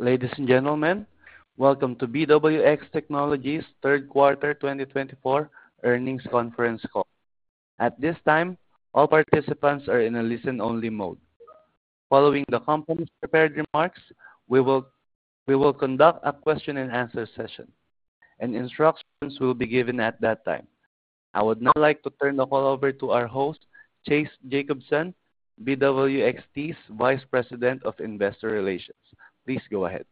Ladies and gentlemen, welcome to BWXT Technologies' Third Quarter 2024 Earnings Conference Call. At this time, all participants are in a listen-only mode. Following the company's prepared remarks, we will conduct a question-and-answer session. Instructions will be given at that time. I would now like to turn the call over to our host, Chase Jacobson, BWXT's Vice President of Investor Relations. Please go ahead.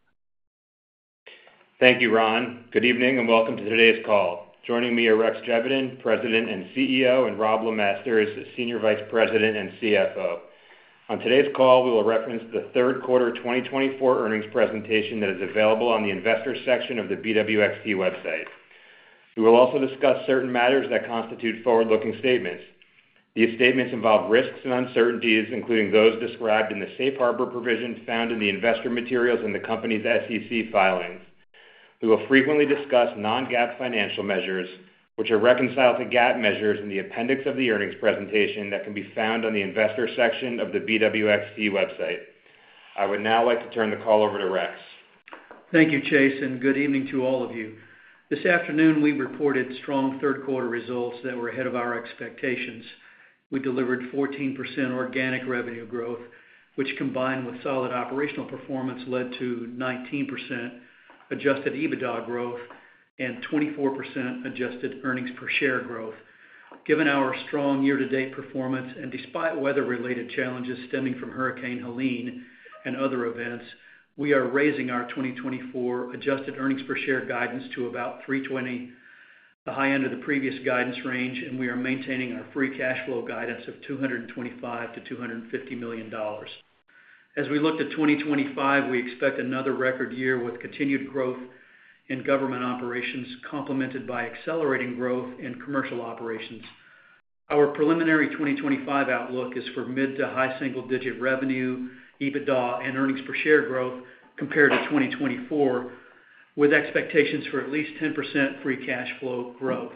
Thank you, Ron. Good evening and welcome to today's call. Joining me are Rex Geveden, President and CEO, and Rob LeMasters, Senior Vice President and CFO. On today's call, we will reference the Third Quarter 2024 earnings presentation that is available on the Investor section of the BWXT website. We will also discuss certain matters that constitute forward-looking statements. These statements involve risks and uncertainties, including those described in the Safe Harbor provision found in the investor materials and the company's SEC filings. We will frequently discuss non-GAAP financial measures, which are reconciled to GAAP measures in the appendix of the earnings presentation that can be found on the Investor section of the BWXT website. I would now like to turn the call over to Rex. Thank you, Chase, and good evening to all of you. This afternoon, we reported strong third-quarter results that were ahead of our expectations. We delivered 14% organic revenue growth, which, combined with solid operational performance, led to 19% adjusted EBITDA growth and 24% adjusted earnings per share growth. Given our strong year-to-date performance and despite weather-related challenges stemming from Hurricane Helene and other events, we are raising our 2024 adjusted earnings per share guidance to about $3.20, the high end of the previous guidance range, and we are maintaining our free cash flow guidance of $225-$250 million. As we look to 2025, we expect another record year with continued growth in government operations, complemented by accelerating growth in commercial operations. Our preliminary 2025 outlook is for mid to high single-digit revenue, EBITDA, and earnings per share growth compared to 2024, with expectations for at least 10% free cash flow growth.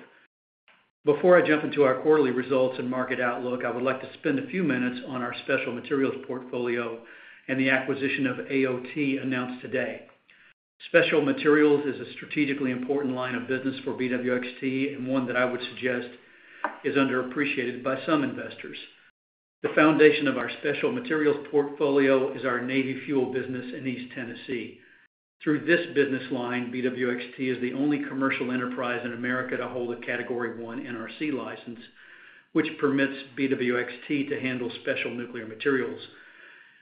Before I jump into our quarterly results and market outlook, I would like to spend a few minutes on our special materials portfolio and the acquisition of AOT announced today. Special materials is a strategically important line of business for BWXT, and one that I would suggest is underappreciated by some investors. The foundation of our special materials portfolio is our navy fuel business in East Tennessee. Through this business line, BWXT is the only commercial enterprise in America to hold a Category 1 NRC License, which permits BWXT to handle special nuclear materials.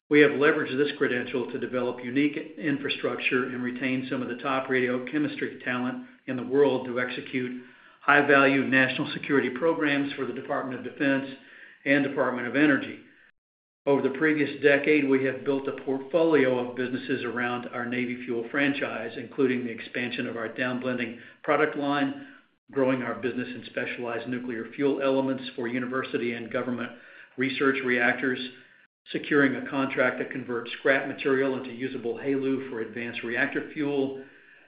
We have leveraged this credential to develop unique infrastructure and retain some of the top radiochemistry talent in the world to execute high-value national security programs for the Department of Defense and Department of Energy. Over the previous decade, we have built a portfolio of businesses around our navy fuel franchise, including the expansion of our downblending product line, growing our business in specialized nuclear fuel elements for university and government research reactors, securing a contract to convert scrap material into usable HALEU for advanced reactor fuel,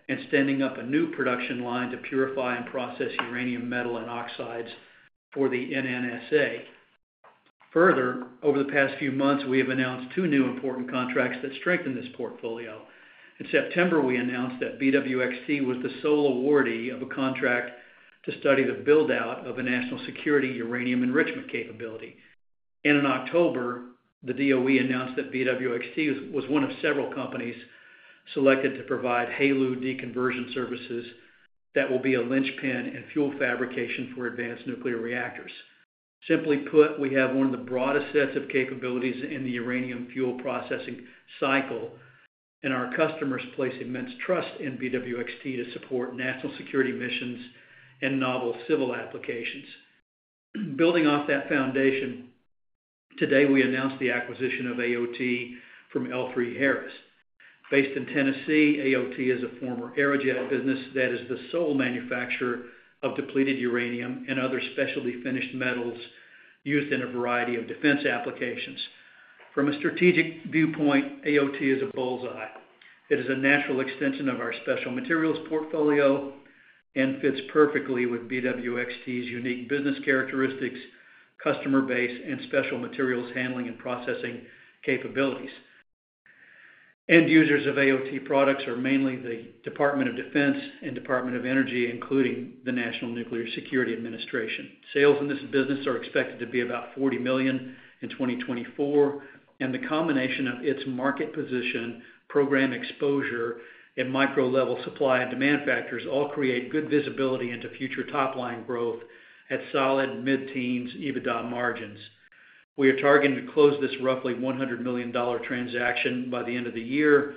and standing up a new production line to purify and process uranium metal and oxides for the NNSA. Further, over the past few months, we have announced two new important contracts that strengthen this portfolio. In September, we announced that BWXT was the sole awardee of a contract to study the build-out of a national security uranium enrichment capability. In October, the DOE announced that BWXT was one of several companies selected to provide HALEU deconversion services that will be a linchpin in fuel fabrication for advanced nuclear reactors. Simply put, we have one of the broadest sets of capabilities in the uranium fuel processing cycle, and our customers place immense trust in BWXT to support national security missions and novel civil applications. Building off that foundation, today we announced the acquisition of AOT from L3Harris. Based in Tennessee, AOT is a former Aerojet business that is the sole manufacturer of depleted uranium and other specially finished metals used in a variety of defense applications. From a strategic viewpoint, AOT is a bullseye. It is a natural extension of our special materials portfolio and fits perfectly with BWXT's unique business characteristics, customer base, and special materials handling and processing capabilities. End users of AOT products are mainly the Department of Defense and Department of Energy, including the National Nuclear Security Administration. Sales in this business are expected to be about $40 million in 2024, and the combination of its market position, program exposure, and micro-level supply and demand factors all create good visibility into future top-line growth at solid mid-teens EBITDA margins. We are targeting to close this roughly $100 million transaction by the end of the year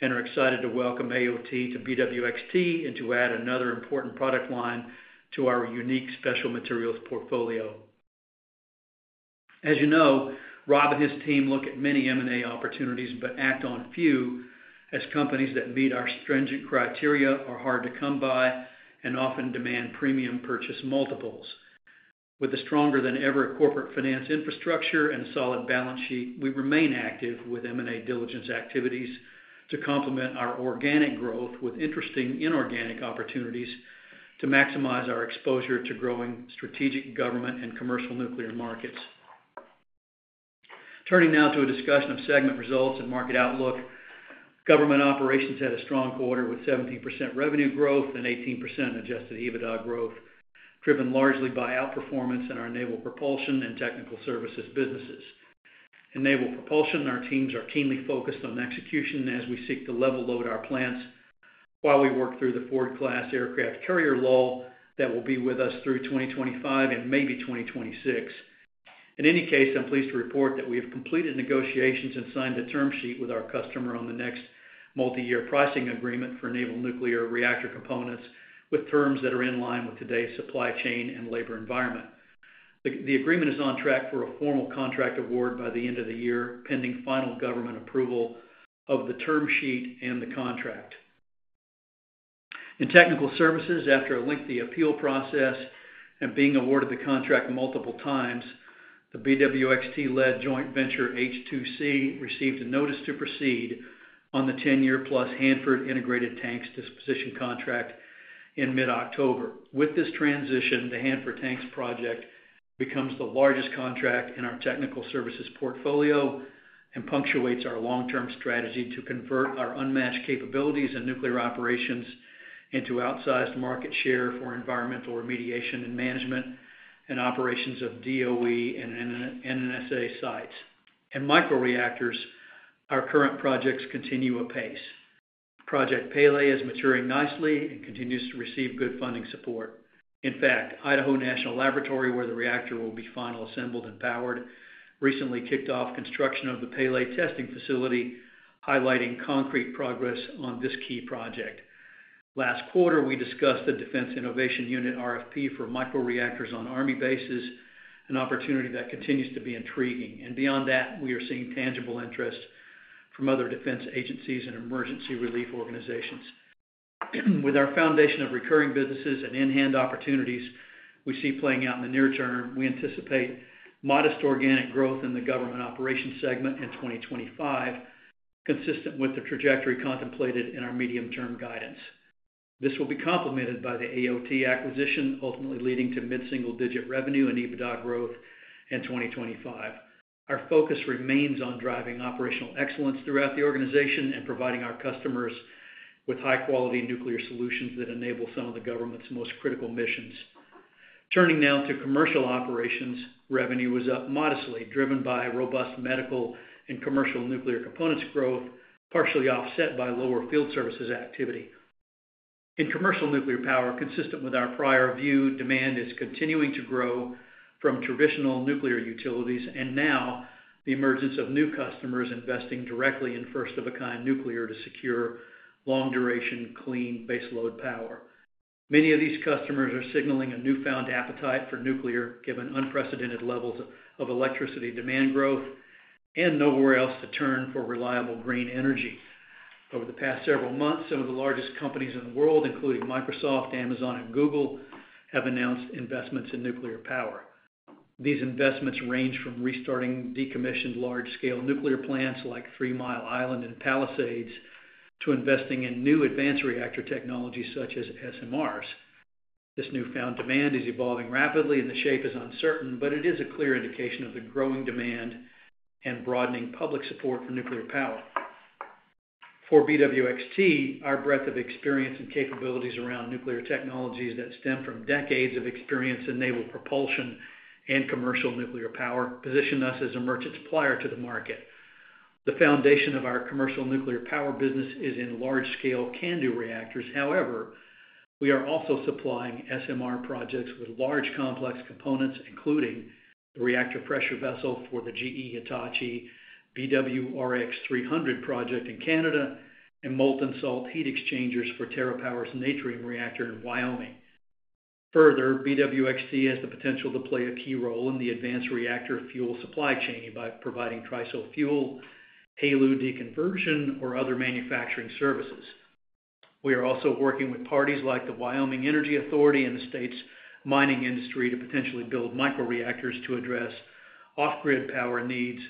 and are excited to welcome AOT to BWXT and to add another important product line to our unique special materials portfolio. As you know, Rob and his team look at many M&A opportunities but act on few, as companies that meet our stringent criteria are hard to come by and often demand premium purchase multiples. With a stronger-than-ever corporate finance infrastructure and a solid balance sheet, we remain active with M&A diligence activities to complement our organic growth with interesting inorganic opportunities to maximize our exposure to growing strategic government and commercial nuclear markets. Turning now to a discussion of segment results and market outlook, government operations had a strong quarter with 17% revenue growth and 18% adjusted EBITDA growth, driven largely by outperformance in our naval propulsion and technical services businesses. In naval propulsion, our teams are keenly focused on execution as we seek to level load our plants while we work through the Ford-class aircraft carrier lull that will be with us through 2025 and maybe 2026. In any case, I'm pleased to report that we have completed negotiations and signed a term sheet with our customer on the next multi-year pricing agreement for naval nuclear reactor components with terms that are in line with today's supply chain and labor environment. The agreement is on track for a formal contract award by the end of the year, pending final government approval of the term sheet and the contract. In technical services, after a lengthy appeal process and being awarded the contract multiple times, the BWXT-led joint venture H2C received a notice to proceed on the 10-year-plus Hanford Integrated Tank Disposition Contract in mid-October. With this transition, the Hanford Tanks project becomes the largest contract in our technical services portfolio and punctuates our long-term strategy to convert our unmatched capabilities in nuclear operations into outsized market share for environmental remediation and management and operations of DOE and NNSA sites. In micro-reactors, our current projects continue apace. Project Pele is maturing nicely and continues to receive good funding support. In fact, Idaho National Laboratory, where the reactor will be finally assembled and powered, recently kicked off construction of the Pele testing facility, highlighting concrete progress on this key project. Last quarter, we discussed the Defense Innovation Unit RFP for micro-reactors on Army bases, an opportunity that continues to be intriguing, and beyond that, we are seeing tangible interest from other defense agencies and emergency relief organizations. With our foundation of recurring businesses and in-hand opportunities we see playing out in the near term, we anticipate modest organic growth in the government operations segment in 2025, consistent with the trajectory contemplated in our medium-term guidance. This will be complemented by the AOT acquisition, ultimately leading to mid-single-digit revenue and EBITDA growth in 2025. Our focus remains on driving operational excellence throughout the organization and providing our customers with high-quality nuclear solutions that enable some of the government's most critical missions. Turning now to commercial operations, revenue was up modestly, driven by robust medical and commercial nuclear components growth, partially offset by lower field services activity. In commercial nuclear power, consistent with our prior view, demand is continuing to grow from traditional nuclear utilities and now the emergence of new customers investing directly in first-of-a-kind nuclear to secure long-duration, clean baseload power. Many of these customers are signaling a newfound appetite for nuclear, given unprecedented levels of electricity demand growth and nowhere else to turn for reliable green energy. Over the past several months, some of the largest companies in the world, including Microsoft, Amazon, and Google, have announced investments in nuclear power. These investments range from restarting decommissioned large-scale nuclear plants like Three Mile Island and Palisades to investing in new advanced reactor technologies such as SMRs. This newfound demand is evolving rapidly, and the shape is uncertain, but it is a clear indication of the growing demand and broadening public support for nuclear power. For BWXT, our breadth of experience and capabilities around nuclear technologies that stem from decades of experience in naval propulsion and commercial nuclear power position us as a merchant supplier to the market. The foundation of our commercial nuclear power business is in large-scale CANDU reactors. However, we are also supplying SMR projects with large complex components, including the reactor pressure vessel for the GE Hitachi BWRX-300 project in Canada and molten salt heat exchangers for TerraPower's Natrium reactor in Wyoming. Further, BWXT has the potential to play a key role in the advanced reactor fuel supply chain by providing TRISO fuel, HALEU deconversion, or other manufacturing services. We are also working with parties like the Wyoming Energy Authority and the state's mining industry to potentially build micro-reactors to address off-grid power needs,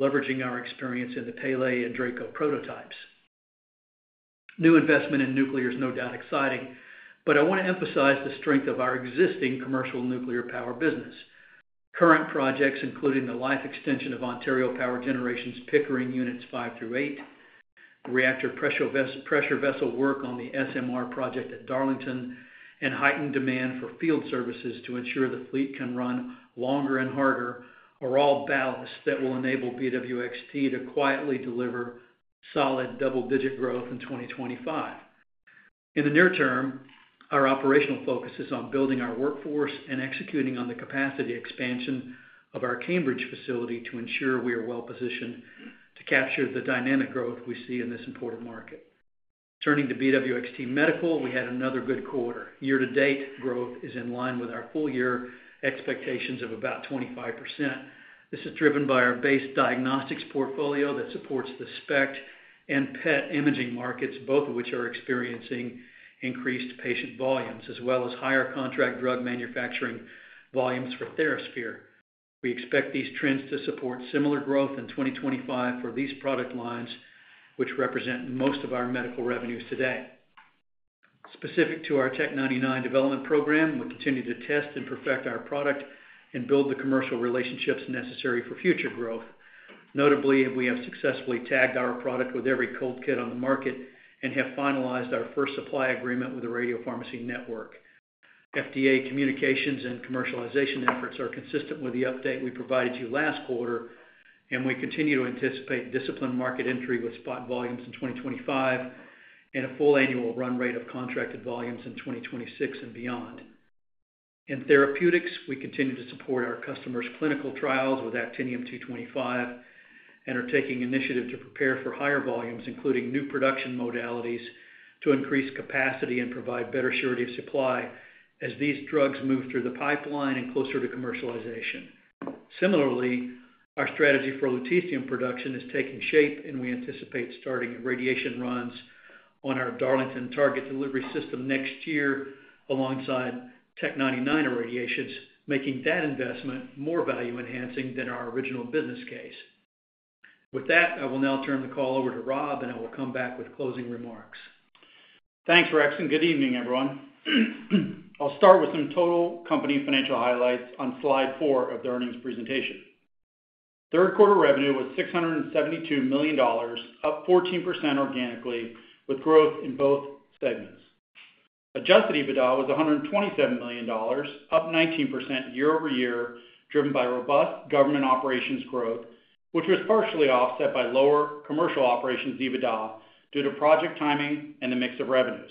leveraging our experience in the Pele and Draco prototypes. New investment in nuclear is no doubt exciting, but I want to emphasize the strength of our existing commercial nuclear power business. Current projects, including the life extension of Ontario Power Generation's Pickering Units 5 through 8, reactor pressure vessel work on the SMR project at Darlington, and heightened demand for field services to ensure the fleet can run longer and harder, are all ballast that will enable BWXT to quietly deliver solid double-digit growth in 2025. In the near term, our operational focus is on building our workforce and executing on the capacity expansion of our Cambridge facility to ensure we are well-positioned to capture the dynamic growth we see in this important market. Turning to BWXT Medical, we had another good quarter. Year-to-date growth is in line with our full-year expectations of about 25%. This is driven by our base diagnostics portfolio that supports the SPECT and PET imaging markets, both of which are experiencing increased patient volumes, as well as higher contract drug manufacturing volumes for TheraSphere. We expect these trends to support similar growth in 2025 for these product lines, which represent most of our medical revenues today. Specific to our T99 development program, we continue to test and perfect our product and build the commercial relationships necessary for future growth. Notably, we have successfully tagged our product with every cold kit on the market and have finalized our first supply agreement with the radiopharmacy network. FDA communications and commercialization efforts are consistent with the update we provided you last quarter, and we continue to anticipate disciplined market entry with spot volumes in 2025 and a full annual run rate of contracted volumes in 2026 and beyond. In therapeutics, we continue to support our customers' clinical trials with Actinium-225 and are taking initiative to prepare for higher volumes, including new production modalities, to increase capacity and provide better surety of supply as these drugs move through the pipeline and closer to commercialization. Similarly, our strategy for lutetium production is taking shape, and we anticipate starting radiation runs on our Darlington Target Delivery System next year alongside Tc-99m irradiations, making that investment more value-enhancing than our original business case. With that, I will now turn the call over to Rob, and I will come back with closing remarks. Thanks, Rex. And good evening, everyone. I'll start with some total company financial highlights on slide four of the earnings presentation. Third-quarter revenue was $672 million, up 14% organically, with growth in both segments. Adjusted EBITDA was $127 million, up 19% year-over-year, driven by robust government operations growth, which was partially offset by lower commercial operations EBITDA due to project timing and the mix of revenues.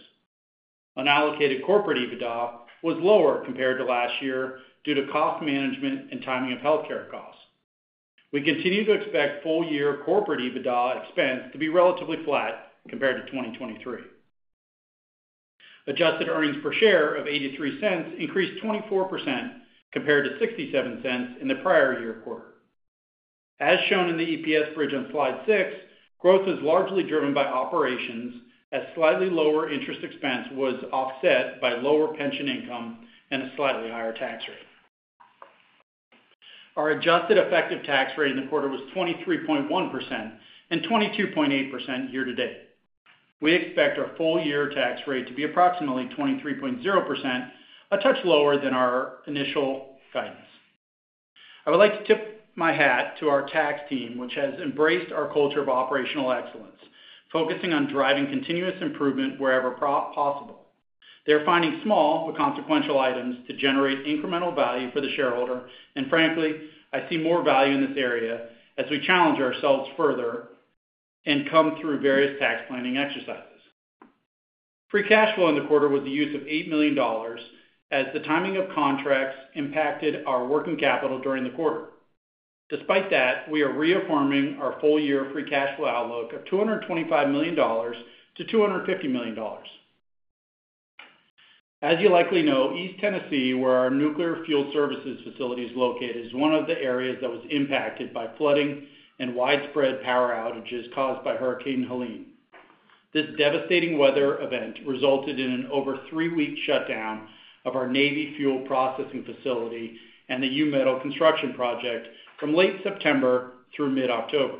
Unallocated corporate EBITDA was lower compared to last year due to cost management and timing of healthcare costs. We continue to expect full-year corporate EBITDA expense to be relatively flat compared to 2023. Adjusted earnings per share of $0.83 increased 24% compared to $0.67 in the prior year quarter. As shown in the EPS bridge on slide six, growth is largely driven by operations, as slightly lower interest expense was offset by lower pension income and a slightly higher tax rate. Our adjusted effective tax rate in the quarter was 23.1% and 22.8% year-to-date. We expect our full-year tax rate to be approximately 23.0%, a touch lower than our initial guidance. I would like to tip my hat to our tax team, which has embraced our culture of operational excellence, focusing on driving continuous improvement wherever possible. They're finding small but consequential items to generate incremental value for the shareholder, and frankly, I see more value in this area as we challenge ourselves further and come through various tax planning exercises. Free cash flow in the quarter was the use of $8 million, as the timing of contracts impacted our working capital during the quarter. Despite that, we are reaffirming our full-year free cash flow outlook of $225-$250 million. As you likely know, East Tennessee, where our nuclear fuel services facility is located, is one of the areas that was impacted by flooding and widespread power outages caused by Hurricane Helene. This devastating weather event resulted in an over three-week shutdown of our Navy fuel processing facility and the U-Metal construction project from late September through mid-October.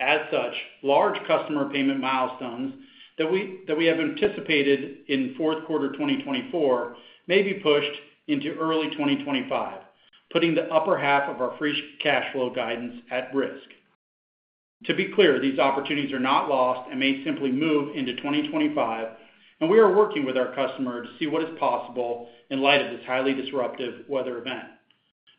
As such, large customer payment milestones that we have anticipated in fourth quarter 2024 may be pushed into early 2025, putting the upper half of our free cash flow guidance at risk. To be clear, these opportunities are not lost and may simply move into 2025, and we are working with our customer to see what is possible in light of this highly disruptive weather event.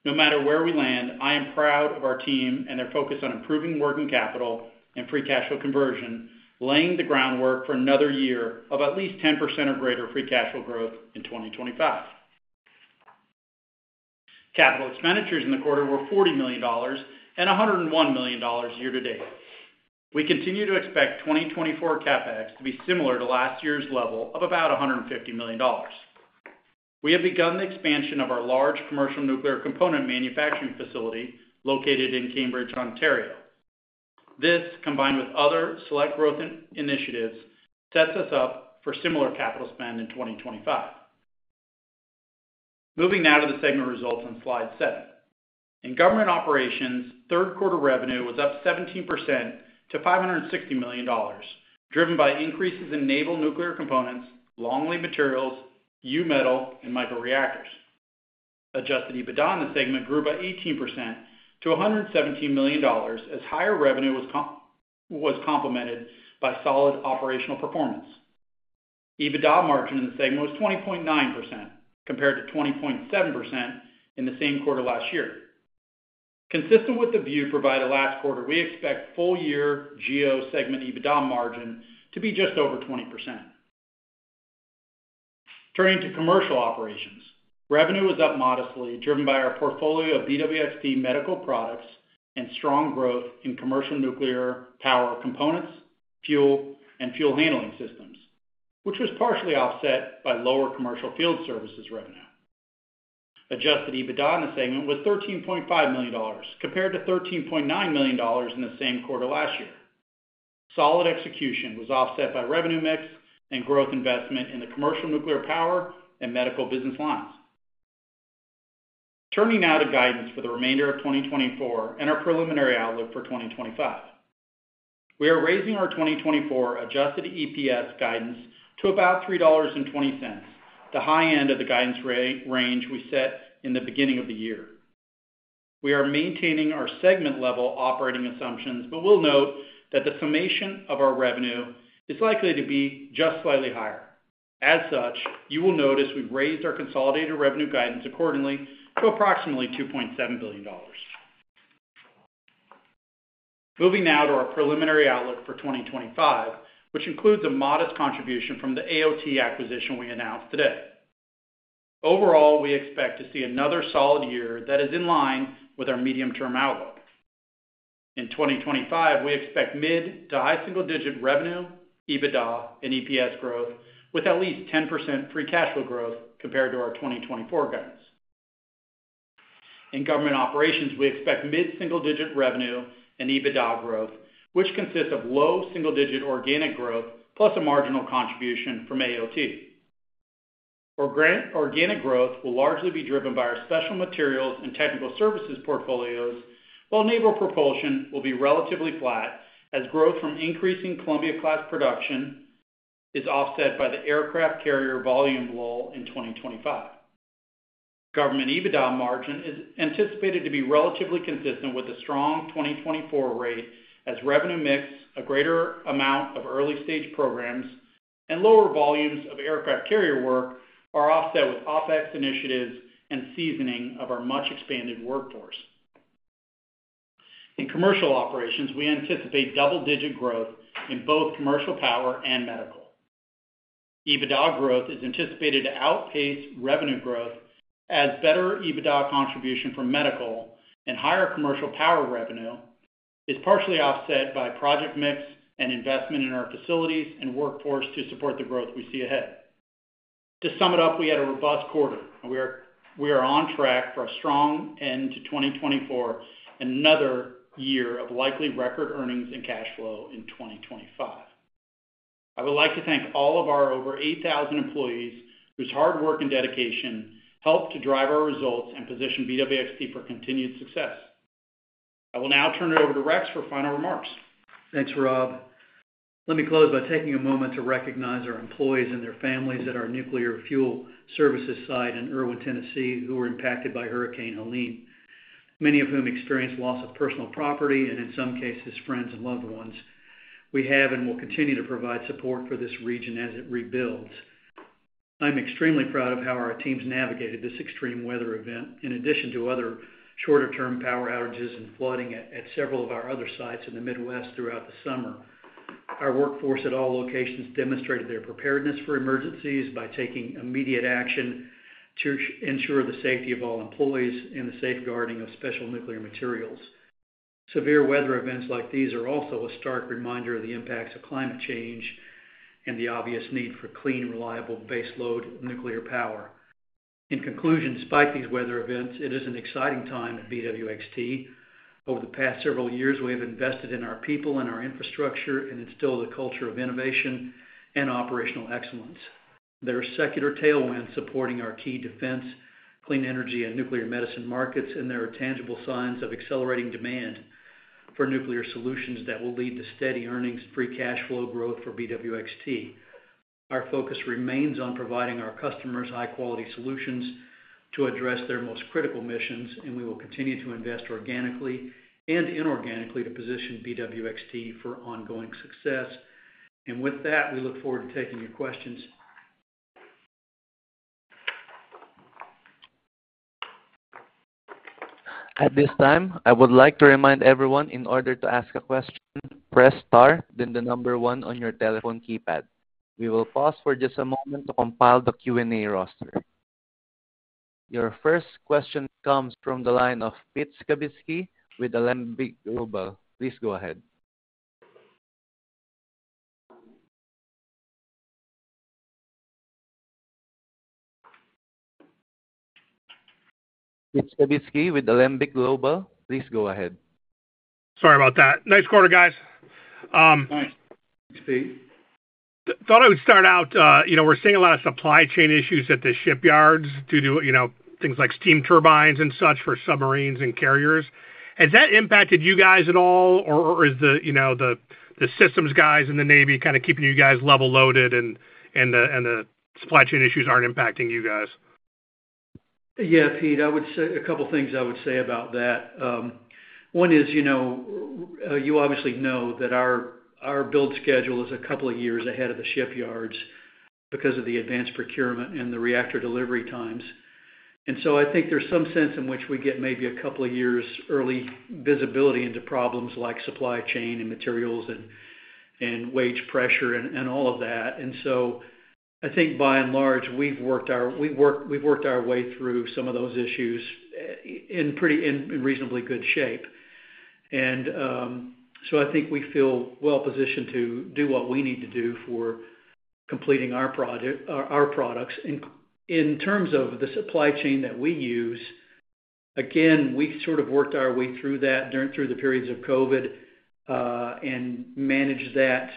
No matter where we land, I am proud of our team and their focus on improving working capital and free cash flow conversion, laying the groundwork for another year of at least 10% or greater free cash flow growth in 2025. Capital expenditures in the quarter were $40 million and $101 million year-to-date. We continue to expect 2024 CapEx to be similar to last year's level of about $150 million. We have begun the expansion of our large commercial nuclear component manufacturing facility located in Cambridge, Ontario. This, combined with other select growth initiatives, sets us up for similar capital spend in 2025. Moving now to the segment results on slide seven. In government operations, third-quarter revenue was up 17% to $560 million, driven by increases in naval nuclear components, longlead materials, U-Metal, and micro-reactors. Adjusted EBITDA in the segment grew by 18% to $117 million as higher revenue was complemented by solid operational performance. EBITDA margin in the segment was 20.9% compared to 20.7% in the same quarter last year. Consistent with the view provided last quarter, we expect full-year G.O. segment EBITDA margin to be just over 20%. Turning to commercial operations, revenue was up modestly, driven by our portfolio of BWXT medical products and strong growth in commercial nuclear power components, fuel, and fuel handling systems, which was partially offset by lower commercial field services revenue. Adjusted EBITDA in the segment was $13.5 million compared to $13.9 million in the same quarter last year. Solid execution was offset by revenue mix and growth investment in the commercial nuclear power and medical business lines. Turning now to guidance for the remainder of 2024 and our preliminary outlook for 2025. We are raising our 2024 adjusted EPS guidance to about $3.20, the high end of the guidance range we set in the beginning of the year. We are maintaining our segment-level operating assumptions, but we'll note that the summation of our revenue is likely to be just slightly higher. As such, you will notice we've raised our consolidated revenue guidance accordingly to approximately $2.7 billion. Moving now to our preliminary outlook for 2025, which includes a modest contribution from the AOT acquisition we announced today. Overall, we expect to see another solid year that is in line with our medium-term outlook. In 2025, we expect mid to high single-digit revenue, EBITDA, and EPS growth with at least 10% free cash flow growth compared to our 2024 guidance. In government operations, we expect mid single-digit revenue and EBITDA growth, which consists of low single-digit organic growth plus a marginal contribution from AOT. Organic growth will largely be driven by our special materials and technical services portfolios, while naval propulsion will be relatively flat as growth from increasing Columbia-class production is offset by the aircraft carrier volume lull in 2025. Government EBITDA margin is anticipated to be relatively consistent with the strong 2024 rate as revenue mix, a greater amount of early-stage programs, and lower volumes of aircraft carrier work are offset with OpEx initiatives and seasoning of our much-expanded workforce. In commercial operations, we anticipate double-digit growth in both commercial power and medical. EBITDA growth is anticipated to outpace revenue growth as better EBITDA contribution from medical and higher commercial power revenue is partially offset by project mix and investment in our facilities and workforce to support the growth we see ahead. To sum it up, we had a robust quarter, and we are on track for a strong end to 2024 and another year of likely record earnings and cash flow in 2025. I would like to thank all of our over 8,000 employees whose hard work and dedication helped to drive our results and position BWXT for continued success. I will now turn it over to Rex for final remarks. Thanks, Rob. Let me close by taking a moment to recognize our employees and their families at our nuclear fuel services site in Erwin, Tennessee, who were impacted by Hurricane Helene, many of whom experienced loss of personal property and, in some cases, friends and loved ones. We have and will continue to provide support for this region as it rebuilds. I'm extremely proud of how our teams navigated this extreme weather event, in addition to other shorter-term power outages and flooding at several of our other sites in the Midwest throughout the summer. Our workforce at all locations demonstrated their preparedness for emergencies by taking immediate action to ensure the safety of all employees and the safeguarding of special nuclear materials. Severe weather events like these are also a stark reminder of the impacts of climate change and the obvious need for clean, reliable baseload nuclear power. In conclusion, despite these weather events, it is an exciting time at BWXT. Over the past several years, we have invested in our people and our infrastructure and instilled a culture of innovation and operational excellence. There are secular tailwinds supporting our key defense, clean energy, and nuclear medicine markets, and there are tangible signs of accelerating demand for nuclear solutions that will lead to steady earnings and free cash flow growth for BWXT. Our focus remains on providing our customers high-quality solutions to address their most critical missions, and we will continue to invest organically and inorganically to position BWXT for ongoing success. And with that, we look forward to taking your questions. At this time, I would like to remind everyone in order to ask a question, press star, then the number one on your telephone keypad. We will pause for just a moment to compile the Q&A roster. Your first question comes from the line of Pete Skibitski with Alembic Global. Please go ahead. Pete Skibitski with Alembic Global, please go ahead. Sorry about that. Nice quarter, guys. Nice. Thought I would start out, we're seeing a lot of supply chain issues at the shipyards due to things like steam turbines and such for submarines and carriers. Has that impacted you guys at all, or is the systems guys in the Navy kind of keeping you guys level loaded, and the supply chain issues aren't impacting you guys? Yeah, Pete, I would say a couple of things I would say about that. One is you obviously know that our build schedule is a couple of years ahead of the shipyards because of the advanced procurement and the reactor delivery times. And so I think there's some sense in which we get maybe a couple of years early visibility into problems like supply chain and materials and wage pressure and all of that. And so I think, by and large, we've worked our way through some of those issues in reasonably good shape. And so I think we feel well-positioned to do what we need to do for completing our products. In terms of the supply chain that we use, again, we sort of worked our way through that during the periods of COVID and managed that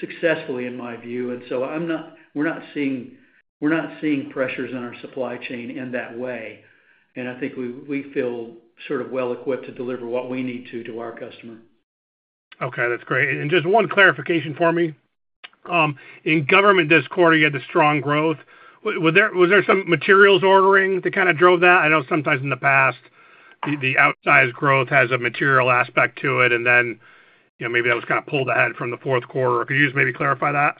successfully, in my view. And so we're not seeing pressures on our supply chain in that way. And I think we feel sort of well-equipped to deliver what we need to our customer. Okay, that's great. And just one clarification for me. In government this quarter, you had the strong growth. Was there some materials ordering that kind of drove that? I know sometimes in the past, the outsized growth has a material aspect to it, and then maybe that was kind of pulled ahead from the fourth quarter. Could you just maybe clarify that?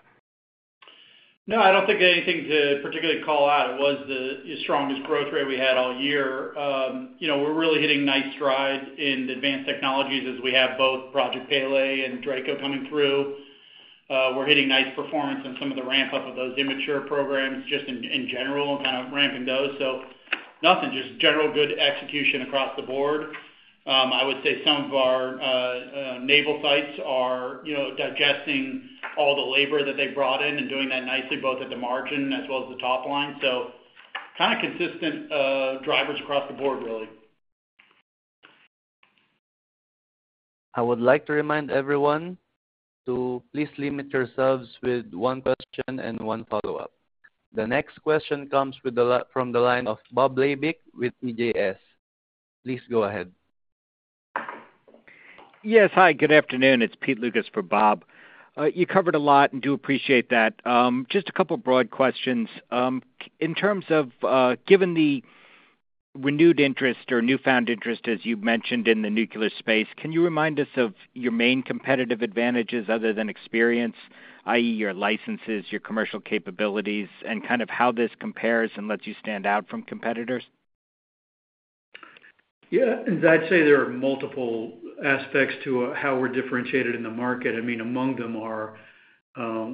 No, I don't think anything to particularly call out. It was the strongest growth rate we had all year. We're really hitting nice strides in advanced technologies as we have both Project Pele and Draco coming through. We're hitting nice performance on some of the ramp-up of those immature programs just in general and kind of ramping those. So nothing, just general good execution across the board. I would say some of our naval sites are digesting all the labor that they brought in and doing that nicely both at the margin as well as the top line. So kind of consistent drivers across the board, really. I would like to remind everyone to please limit yourselves with one question and one follow-up. The next question comes from the line of Bob Labick with CJS. Please go ahead. Yes, hi, good afternoon. It's Pete Lucas for Bob. You covered a lot and do appreciate that. Just a couple of broad questions. In terms of given the renewed interest or newfound interest, as you mentioned, in the nuclear space, can you remind us of your main competitive advantages other than experience, i.e., your licenses, your commercial capabilities, and kind of how this compares and lets you stand out from competitors? Yeah, I'd say there are multiple aspects to how we're differentiated in the market. I mean, among them are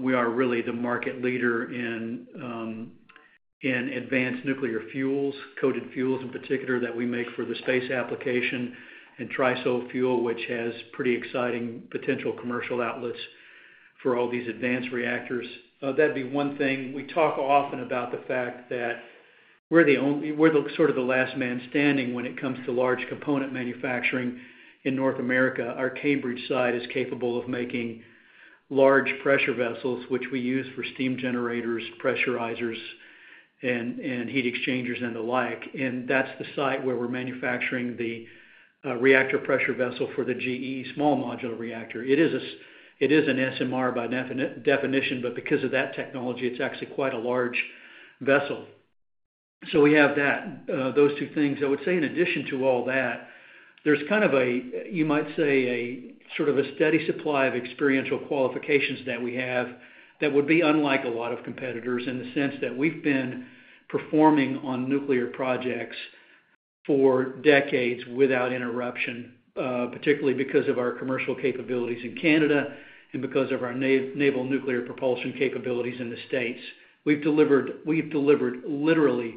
we are really the market leader in advanced nuclear fuels, coated fuels in particular that we make for the space application, and TRISO fuel, which has pretty exciting potential commercial outlets for all these advanced reactors. That'd be one thing. We talk often about the fact that we're sort of the last man standing when it comes to large component manufacturing in North America. Our Cambridge site is capable of making large pressure vessels, which we use for steam generators, pressurizers, and heat exchangers and the like, and that's the site where we're manufacturing the reactor pressure vessel for the GE small modular reactor. It is an SMR by definition, but because of that technology, it's actually quite a large vessel, so we have those two things. I would say in addition to all that, there's kind of a, you might say, sort of a steady supply of experiential qualifications that we have that would be unlike a lot of competitors in the sense that we've been performing on nuclear projects for decades without interruption, particularly because of our commercial capabilities in Canada and because of our naval nuclear propulsion capabilities in the States. We've delivered literally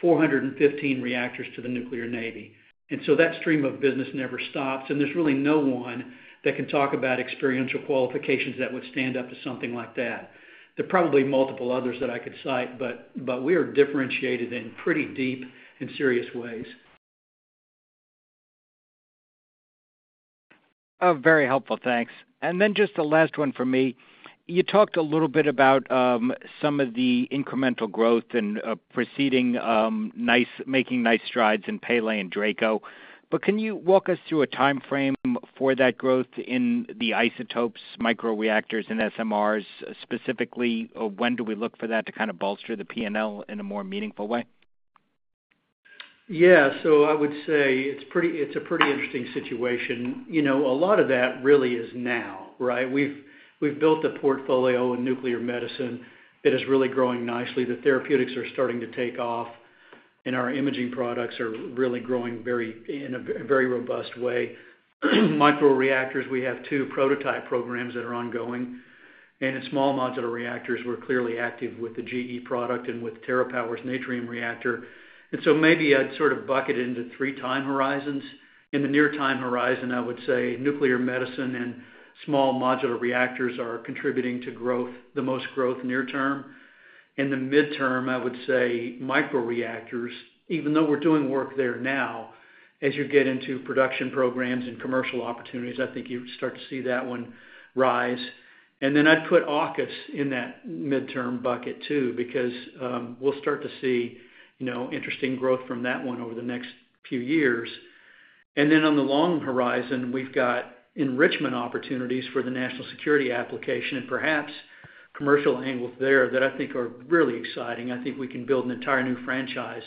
415 reactors to the nuclear Navy, and so that stream of business never stops. And there's really no one that can talk about experiential qualifications that would stand up to something like that. There are probably multiple others that I could cite, but we are differentiated in pretty deep and serious ways. Very helpful, thanks. And then just the last one for me. You talked a little bit about some of the incremental growth and making nice strides in Pele and Draco, but can you walk us through a timeframe for that growth in the isotopes, micro-reactors, and SMRs specifically? When do we look for that to kind of bolster the P&L in a more meaningful way? Yeah, so I would say it's a pretty interesting situation. A lot of that really is now, right? We've built a portfolio in nuclear medicine that is really growing nicely. The therapeutics are starting to take off, and our imaging products are really growing in a very robust way. Micro-reactors, we have two prototype programs that are ongoing. And in small modular reactors, we're clearly active with the GE product and with TerraPower's Natrium reactor. And so maybe I'd sort of bucket it into three time horizons. In the near-time horizon, I would say nuclear medicine and small modular reactors are contributing to growth, the most growth near term. In the midterm, I would say micro-reactors, even though we're doing work there now, as you get into production programs and commercial opportunities, I think you start to see that one rise. And then I'd put AUKUS in that midterm bucket too because we'll start to see interesting growth from that one over the next few years. And then on the long horizon, we've got enrichment opportunities for the national security application and perhaps commercial angles there that I think are really exciting. I think we can build an entire new franchise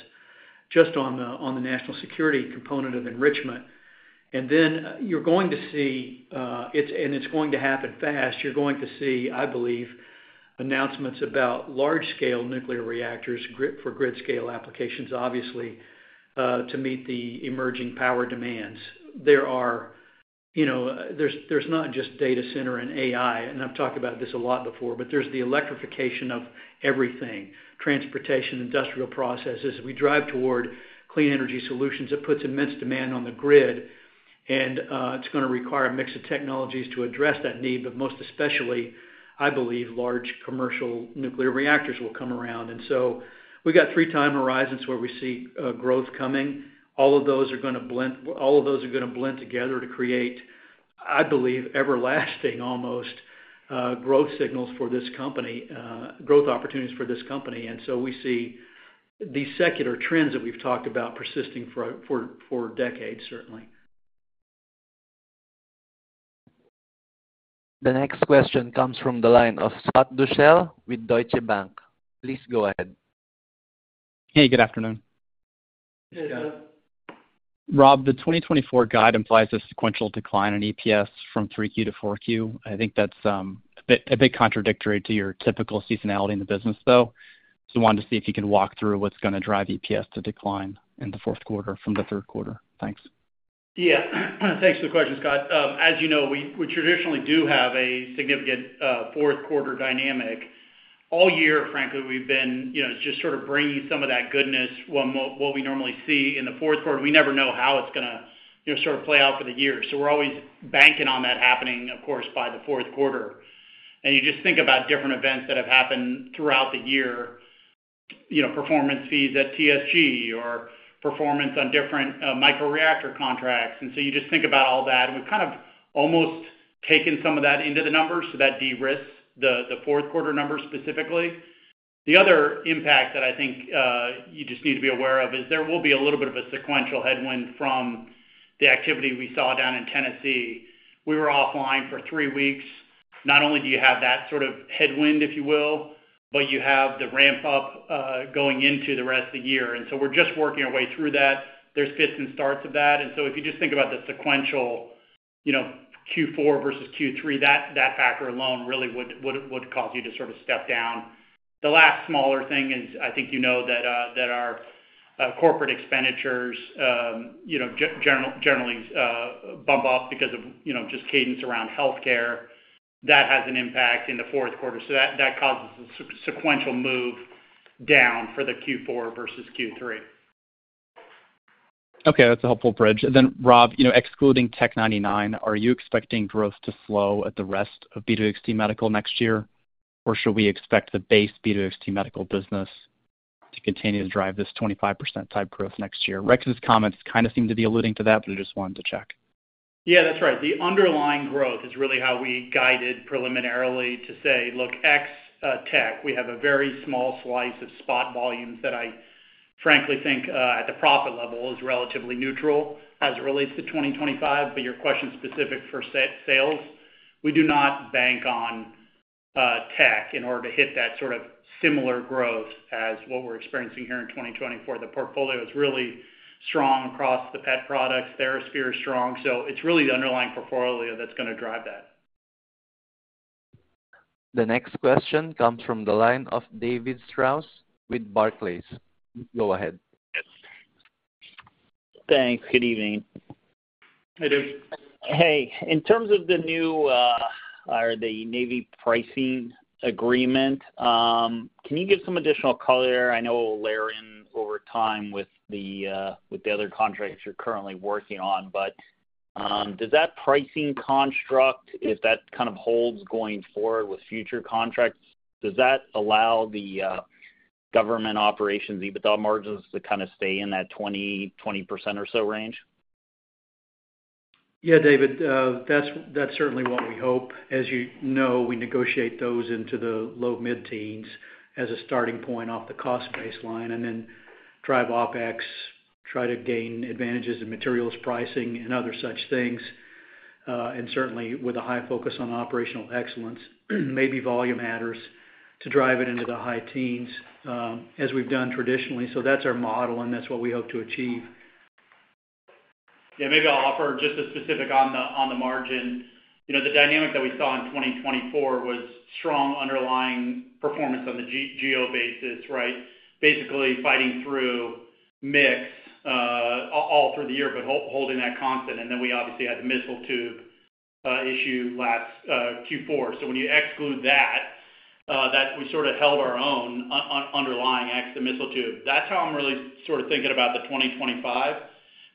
just on the national security component of enrichment. And then you're going to see, and it's going to happen fast, you're going to see, I believe, announcements about large-scale nuclear reactors for grid-scale applications, obviously, to meet the emerging power demands. There's not just data center and AI, and I've talked about this a lot before, but there's the electrification of everything: transportation, industrial processes. We drive toward clean energy solutions that puts immense demand on the grid, and it's going to require a mix of technologies to address that need, but most especially, I believe, large commercial nuclear reactors will come around. And so we've got three time horizons where we see growth coming. All of those are going to blend. All of those are going to blend together to create, I believe, everlasting, almost, growth signals for this company, growth opportunities for this company. And so we see these secular trends that we've talked about persisting for decades, certainly. The next question comes from the line of Scott Deuschle with Deutsche Bank. Please go ahead. Hey, good afternoon. Hey, Scott. Rob, the 2024 guide implies a sequential decline in EPS from 3Q to 4Q. I think that's a bit contradictory to your typical seasonality in the business, though. So I wanted to see if you could walk through what's going to drive EPS to decline in the fourth quarter from the third quarter. Thanks. Yeah. Thanks for the question, Scott. As you know, we traditionally do have a significant fourth-quarter dynamic. All year, frankly, we've been just sort of bringing some of that goodness, what we normally see in the fourth quarter. We never know how it's going to sort of play out for the year. So we're always banking on that happening, of course, by the fourth quarter. And you just think about different events that have happened throughout the year: performance fees at TSG or performance on different micro-reactor contracts. And so you just think about all that. And we've kind of almost taken some of that into the numbers so that de-risked the fourth-quarter numbers specifically. The other impact that I think you just need to be aware of is there will be a little bit of a sequential headwind from the activity we saw down in Tennessee. We were offline for three weeks. Not only do you have that sort of headwind, if you will, but you have the ramp-up going into the rest of the year, and so we're just working our way through that. There's fits and starts of that, and so if you just think about the sequential Q4 versus Q3, that factor alone really would cause you to sort of step down. The last smaller thing is I think you know that our corporate expenditures generally bump up because of just cadence around healthcare. That has an impact in the fourth quarter, so that causes a sequential move down for the Q4 versus Q3. Okay, that's a helpful bridge. Then, Rob, excluding Tech99, are you expecting growth to slow at the rest of BWXT Medical next year, or should we expect the base BWXT Medical business to continue to drive this 25%-type growth next year? Rex's comments kind of seem to be alluding to that, but I just wanted to check. Yeah, that's right. The underlying growth is really how we guided preliminarily to say, "Look, BWXT, we have a very small slice of spot volumes that I frankly think at the profit level is relatively neutral as it relates to 2025." But your question specific for sales, we do not bank on BWXT in order to hit that sort of similar growth as what we're experiencing here in 2024. The portfolio is really strong across the PET products. TheraSphere is strong. So it's really the underlying portfolio that's going to drive that. The next question comes from the line of David Strauss with Barclays. Go ahead. Yes. Thanks. Good evening. Hey, Dave. Hey. In terms of the new Navy pricing agreement, can you give some additional color there? I know it will layer in over time with the other contracts you're currently working on, but does that pricing construct, if that kind of holds going forward with future contracts, does that allow the government operations EBITDA margins to kind of stay in that 20% or so range? Yeah, David, that's certainly what we hope. As you know, we negotiate those into the low-mid teens as a starting point off the cost baseline and then drive OpEx, try to gain advantages in materials pricing and other such things. And certainly, with a high focus on operational excellence, maybe volume matters to drive it into the high teens as we've done traditionally. So that's our model, and that's what we hope to achieve. Yeah, maybe I'll offer just a specific on the margin. The dynamic that we saw in 2024 was strong underlying performance on the Gov basis, right? Basically fighting through mix all through the year, but holding that constant. And then we obviously had the missile tube issue last Q4. So when you exclude that, we sort of held our own underlying ex the missile tube. That's how I'm really sort of thinking about the 2025.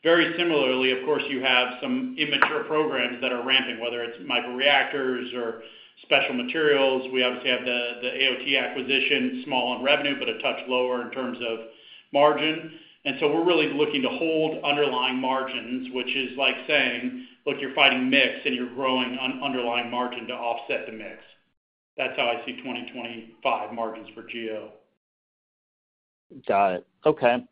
Very similarly, of course, you have some immature programs that are ramping, whether it's micro-reactors or special materials. We obviously have the AOT acquisition, small on revenue, but a touch lower in terms of margin. And so we're really looking to hold underlying margins, which is like saying, "Look, you're fighting mix and you're growing on underlying margin to offset the mix." That's how I see 2025 margins for GovO. Got it. Okay.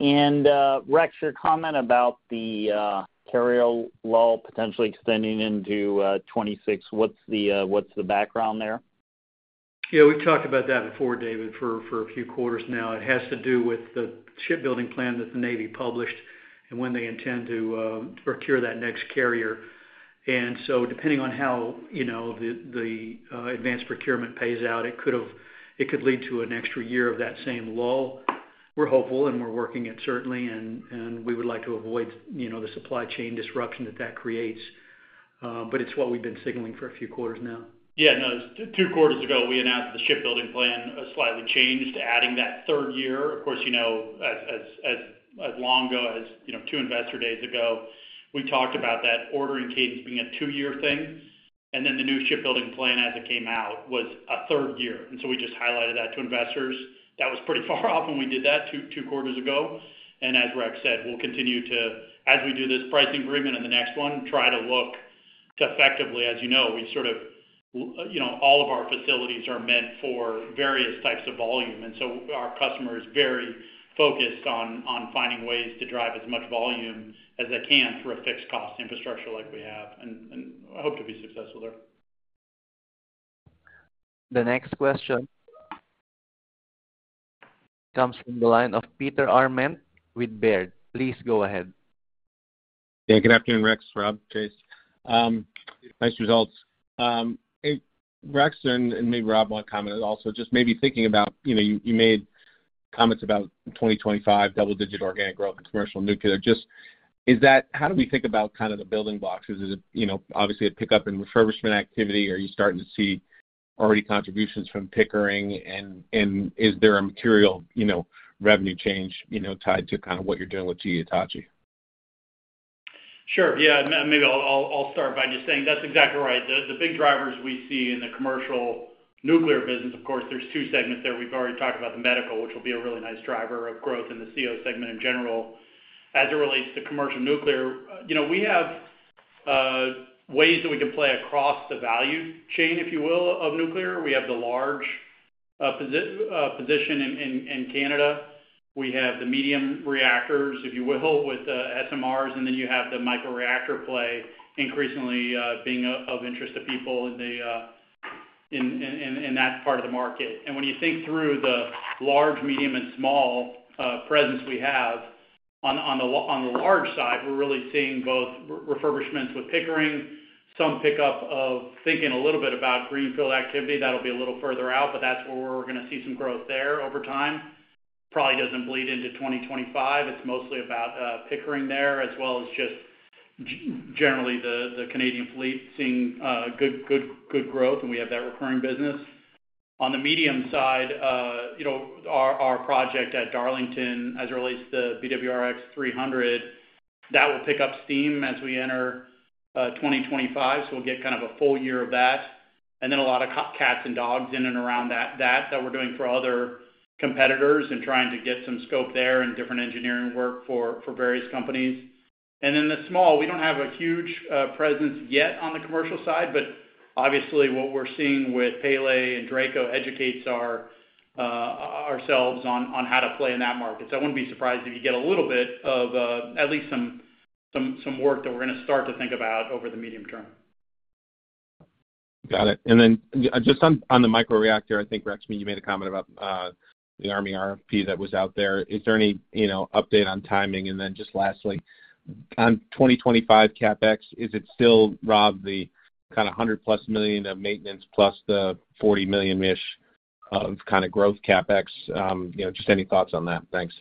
And Rex, your comment about the carrier lull potentially extending into 2026, what's the background there? Yeah, we've talked about that before, David, for a few quarters now. It has to do with the shipbuilding plan that the Navy published and when they intend to procure that next carrier, and so depending on how the advanced procurement pays out, it could lead to an extra year of that same lull. We're hopeful, and we're working it certainly, and we would like to avoid the supply chain disruption that that creates, but it's what we've been signaling for a few quarters now. Yeah, no, two quarters ago, we announced the shipbuilding plan slightly changed, adding that third year. Of course, as long ago as two investor days ago, we talked about that ordering cadence being a two-year thing, and then the new shipbuilding plan, as it came out, was a third year, and so we just highlighted that to investors. That was pretty far off when we did that two quarters ago. And as Rex said, we'll continue to, as we do this pricing agreement in the next one, try to look to effectively, as you know, we sort of all of our facilities are meant for various types of volume. And so our customer is very focused on finding ways to drive as much volume as they can through a fixed-cost infrastructure like we have. And I hope to be successful there. The next question comes from the line of Peter Arment with Baird. Please go ahead. Yeah, good afternoon, Rex, Rob, Chase. Nice results. Rex, and maybe Rob wanted to comment also, just maybe thinking about you made comments about 2025 double-digit organic growth in commercial nuclear. Just how do we think about kind of the building blocks? Is it obviously a pickup and refurbishment activity, or are you starting to see already contributions from Pickering? Is there a material revenue change tied to kind of what you're doing with GE Hitachi? Sure. Yeah, maybe I'll start by just saying that's exactly right. The big drivers we see in the commercial nuclear business, of course, there's two segments there. We've already talked about the medical, which will be a really nice driver of growth in the COM segment in general. As it relates to commercial nuclear, we have ways that we can play across the value chain, if you will, of nuclear. We have the large position in Canada. We have the medium reactors, if you will, with SMRs. And then you have the micro-reactor play increasingly being of interest to people in that part of the market. And when you think through the large, medium, and small presence we have on the large side, we're really seeing both refurbishments with Pickering, some pickup of thinking a little bit about greenfield activity. That'll be a little further out, but that's where we're going to see some growth there over time. Probably doesn't bleed into 2025. It's mostly about Pickering there, as well as just generally the Canadian fleet seeing good growth, and we have that recurring business. On the medium side, our project at Darlington as it relates to the BWRX-300, that will pick up steam as we enter 2025. So we'll get kind of a full year of that. And then a lot of cats and dogs in and around that that we're doing for other competitors and trying to get some scope there and different engineering work for various companies. And then the small. We don't have a huge presence yet on the commercial side, but obviously what we're seeing with Pele and Draco educates ourselves on how to play in that market. So I wouldn't be surprised if you get a little bit of at least some work that we're going to start to think about over the medium term. Got it. And then just on the micro-reactor, I think, Rex, you made a comment about the Army RFP that was out there. Is there any update on timing? And then just lastly, on 2025 CapEx, is it still, Rob, the kind of $100-plus million of maintenance plus the $40 million-ish of kind of growth CapEx? Just any thoughts on that? Thanks.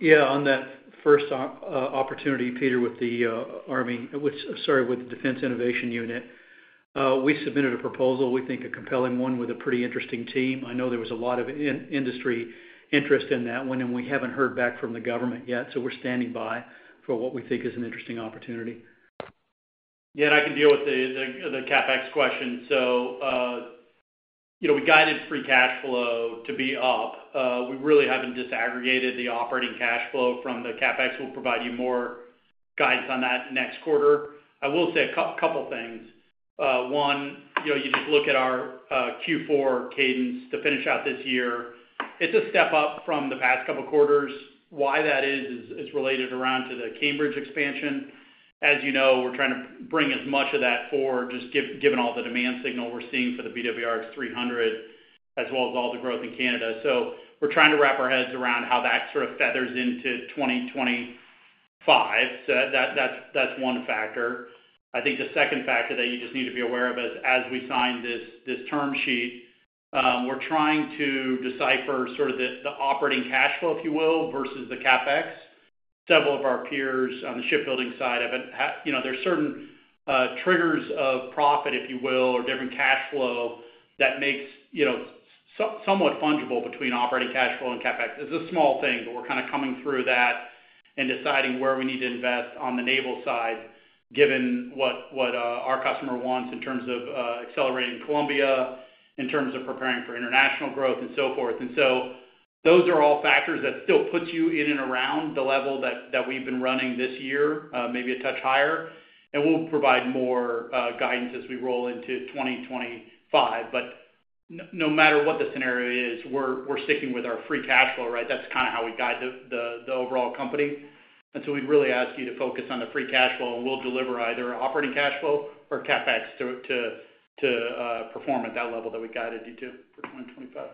Yeah, on that first opportunity, Peter, with the Army, sorry, with the Defense Innovation Unit, we submitted a proposal, we think a compelling one with a pretty interesting team. I know there was a lot of industry interest in that one, and we haven't heard back from the government yet. So we're standing by for what we think is an interesting opportunity. Yeah, and I can deal with the CapEx question. So we guided free cash flow to be up. We really haven't disaggregated the operating cash flow from the CapEx. We'll provide you more guidance on that next quarter. I will say a couple of things. One, you just look at our Q4 cadence to finish out this year. It's a step up from the past couple of quarters. Why that is related around to the Cambridge expansion As you know, we're trying to bring as much of that forward, just given all the demand signal we're seeing for the BWRX-300, as well as all the growth in Canada. So we're trying to wrap our heads around how that sort of factors into 2025. So that's one factor. I think the second factor that you just need to be aware of is, as we sign this term sheet, we're trying to decipher sort of the operating cash flow, if you will, versus the CapEx. Several of our peers on the shipbuilding side have been there. There are certain triggers of profit, if you will, or different cash flow that makes somewhat fungible between operating cash flow and CapEx. It's a small thing, but we're kind of coming through that and deciding where we need to invest on the naval side, given what our customer wants in terms of accelerating Columbia, in terms of preparing for international growth, and so forth. And so those are all factors that still put you in and around the level that we've been running this year, maybe a touch higher. And we'll provide more guidance as we roll into 2025. But no matter what the scenario is, we're sticking with our free cash flow, right? That's kind of how we guide the overall company. And so we'd really ask you to focus on the free cash flow, and we'll deliver either operating cash flow or CapEx to perform at that level that we guided you to for 2025.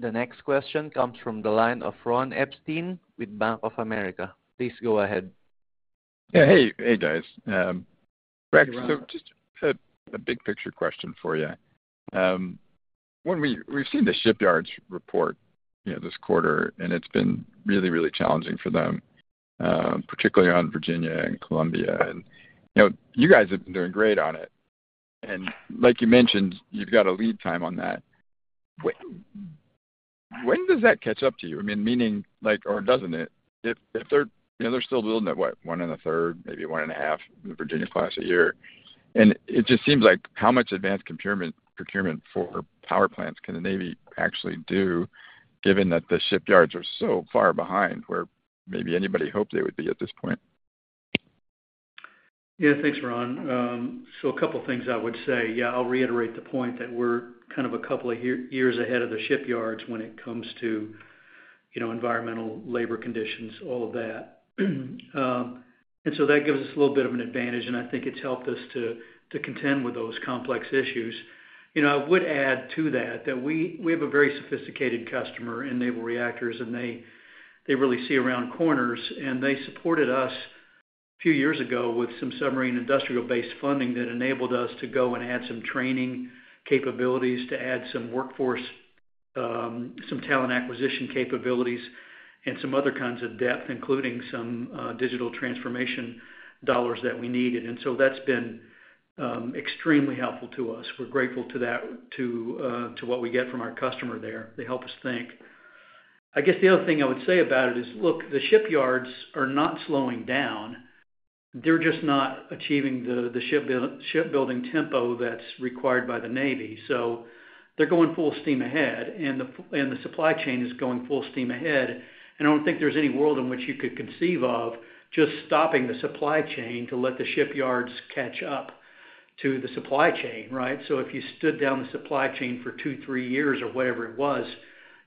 The next question comes from the line of Ron Epstein with Bank of America. Please go ahead. Yeah, hey, hey, guys. Rex, so just a big picture question for you. We've seen the shipyards report this quarter, and it's been really, really challenging for them, particularly on Virginia and Columbia. And you guys have been doing great on it. And like you mentioned, you've got a lead time on that. When does that catch up to you? I mean, meaning, or doesn't it? If they're still building at what, one and a third, maybe one and a half Virginia-class a year? And it just seems like how much advanced procurement for power plants can the Navy actually do, given that the shipyards are so far behind where maybe anybody hoped they would be at this point? Yeah, thanks, Ron. So a couple of things I would say. Yeah, I'll reiterate the point that we're kind of a couple of years ahead of the shipyards when it comes to environmental labor conditions, all of that. And so that gives us a little bit of an advantage, and I think it's helped us to contend with those complex issues. I would add to that that we have a very sophisticated customer in Naval Reactors, and they really see around corners. And they supported us a few years ago with some submarine industrial base funding that enabled us to go and add some training capabilities, to add some workforce, some talent acquisition capabilities, and some other kinds of depth, including some digital transformation dollars that we needed. And so that's been extremely helpful to us. We're grateful to that, to what we get from our customer there. They help us think. I guess the other thing I would say about it is, look, the shipyards are not slowing down. They're just not achieving the shipbuilding tempo that's required by the Navy. So they're going full steam ahead, and the supply chain is going full steam ahead. And I don't think there's any world in which you could conceive of just stopping the supply chain to let the shipyards catch up to the supply chain, right? So if you stood down the supply chain for two, three years, or whatever it was,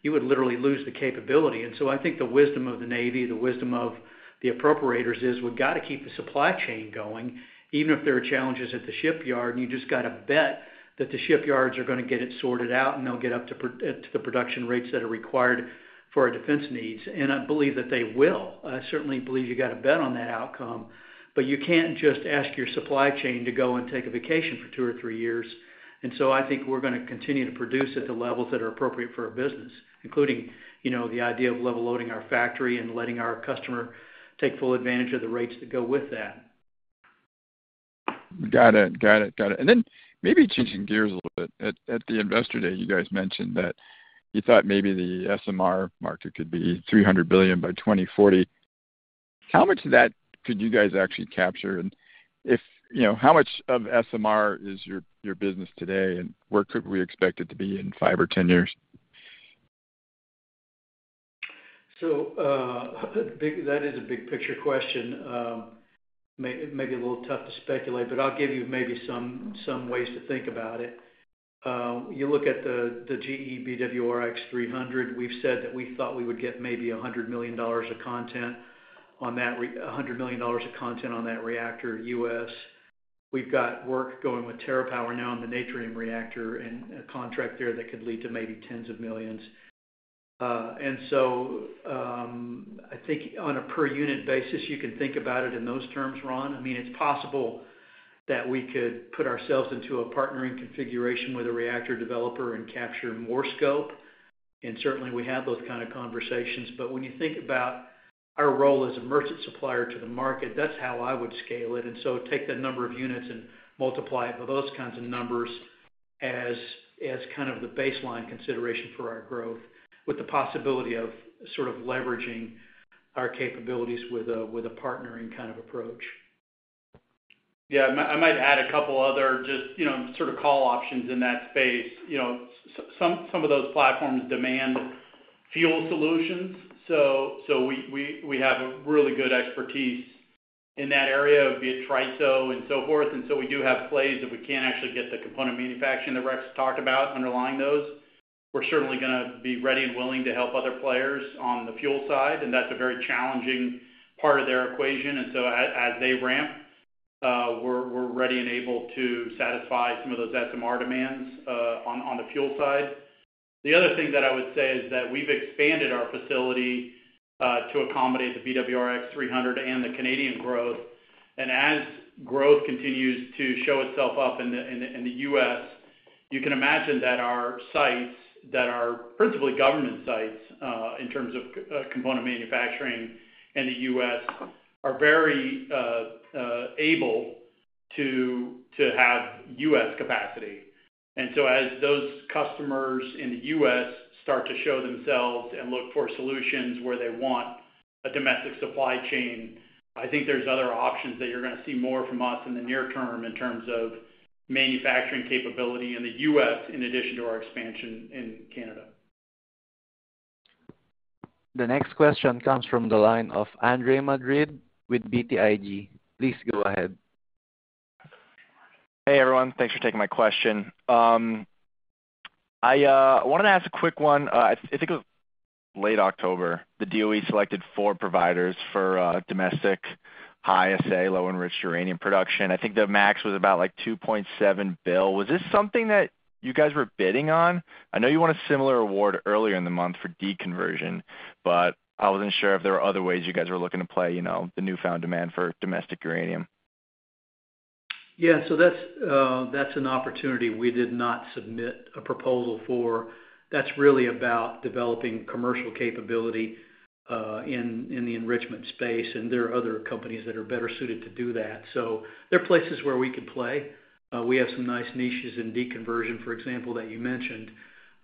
you would literally lose the capability. And so I think the wisdom of the Navy, the wisdom of the appropriators is we've got to keep the supply chain going, even if there are challenges at the shipyard, and you just got to bet that the shipyards are going to get it sorted out and they'll get up to the production rates that are required for our defense needs. And I believe that they will. I certainly believe you got to bet on that outcome, but you can't just ask your supply chain to go and take a vacation for two or three years. And so I think we're going to continue to produce at the levels that are appropriate for our business, including the idea of level loading our factory and letting our customer take full advantage of the rates that go with that. Got it. Got it. Got it. And then maybe changing gears a little bit. At the investor day, you guys mentioned that you thought maybe the SMR market could be $300 billion by 2040. How much of that could you guys actually capture? And how much of SMR is your business today, and where could we expect it to be in five or 10 years? So that is a big picture question. Maybe a little tough to speculate, but I'll give you maybe some ways to think about it. You look at the GE BWRX-300, we've said that we thought we would get maybe $100 million of content on that, $100 million of content on that reactor, U.S. We've got work going with TerraPower now on the Natrium reactor and a contract there that could lead to maybe tens of millions. And so I think on a per-unit basis, you can think about it in those terms, Ron. I mean, it's possible that we could put ourselves into a partnering configuration with a reactor developer and capture more scope. And certainly, we have those kinds of conversations. But when you think about our role as a merchant supplier to the market, that's how I would scale it. And so take the number of units and multiply it by those kinds of numbers as kind of the baseline consideration for our growth, with the possibility of sort of leveraging our capabilities with a partnering kind of approach. Yeah, I might add a couple of other just sort of call options in that space. Some of those platforms demand fuel solutions. So we have a really good expertise in that area, be it TRISO and so forth. And so we do have plays that we can't actually get the component manufacturing that Rex talked about underlying those. We're certainly going to be ready and willing to help other players on the fuel side, and that's a very challenging part of their equation. And so as they ramp, we're ready and able to satisfy some of those SMR demands on the fuel side. The other thing that I would say is that we've expanded our facility to accommodate the BWRX-300 and the Canadian growth. And as growth continues to show itself up in the U.S., you can imagine that our sites, that are principally government sites in terms of component manufacturing in the U.S., are very able to have U.S. capacity. And so as those customers in the US start to show themselves and look for solutions where they want a domestic supply chain, I think there's other options that you're going to see more from us in the near term in terms of manufacturing capability in the US in addition to our expansion in Canada. The next question comes from the line of Andre Madrid with BTIG. Please go ahead. Hey, everyone. Thanks for taking my question. I wanted to ask a quick one. I think it was late October, the DOE selected four providers for domestic high-assay low-enriched uranium production. I think the max was about like $2.7 billion. Was this something that you guys were bidding on? I know you won a similar award earlier in the month for deconversion, but I wasn't sure if there were other ways you guys were looking to play the newfound demand for domestic uranium. Yeah, so that's an opportunity we did not submit a proposal for. That's really about developing commercial capability in the enrichment space, and there are other companies that are better suited to do that. So there are places where we could play. We have some nice niches in deconversion, for example, that you mentioned.